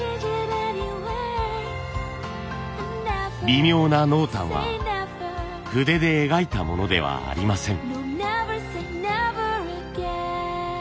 微妙な濃淡は筆で描いたものではありません。